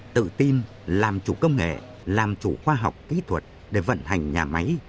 tự tin làm chủ công nghệ làm chủ khoa học kỹ thuật để vận hành nhà máy